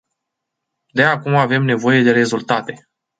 De acum avem nevoie de rezultate.